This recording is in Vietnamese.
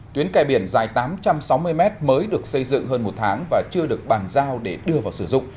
tuyến kè biển dài tám trăm sáu mươi mét mới được xây dựng hơn một tháng và chưa được bàn giao để đưa vào sử dụng